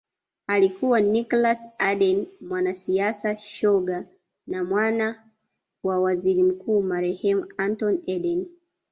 Alikuwa Nicholas Eden mwanasiasa shoga na mwana wa Waziri Mkuu marehemu Anthony Eden